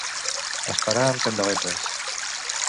Esperar amb candeletes.